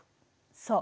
そう。